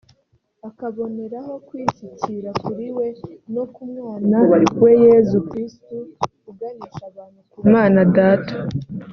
akaboneraho kwishyikira kuri we no ku mwana we Yezu Krisitu uganisha abantu ku Mana Data